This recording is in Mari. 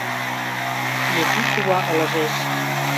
— Епи кува ылыжеш.